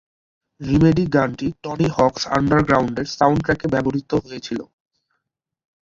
"Remedy" গানটি Tony Hawks আন্ডারগ্রাউন্ডের সাউন্ডট্র্যাকে ব্যবহৃত হয়েছিল।